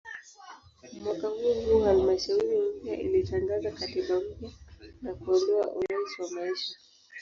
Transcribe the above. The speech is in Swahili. Mwaka huohuo halmashauri mpya ilitangaza katiba mpya na kuondoa "urais wa maisha".